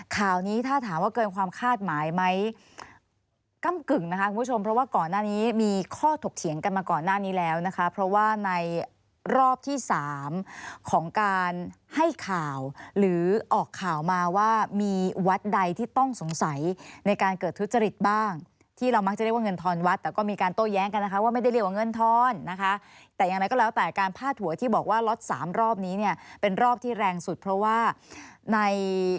ข่าวนี้ถ้าถามว่าเกิดความคาดหมายไหมกำกึ่งนะคะคุณผู้ชมเพราะว่าก่อนหน้านี้มีข้อถกเถียงกันมาก่อนหน้านี้แล้วนะคะเพราะว่าในรอบที่๓ของการให้ข่าวหรือออกข่าวมาว่ามีวัดใดที่ต้องสงสัยในการเกิดทุษฎฤทธิ์บ้างที่เรามักจะเรียกว่าเงินทอนวัดแต่ก็มีการโต้แย้งกันนะคะว่าไม่ได้เรียกว่าเงินท